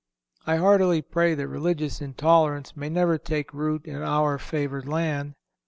I heartily pray that religious intolerance may never take root in our favored land.